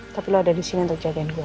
tapi lo ada di sini untuk jagain gue